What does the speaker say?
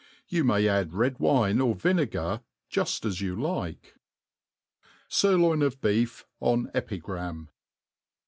You may ad^ red wine or vinegar, jufl as you tike. Sirloin of Beef en. Epigram.